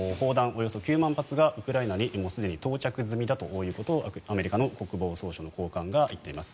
およそ９万発がウクライナにすでに到着済みだとアメリカの国防総省の長官が言っています。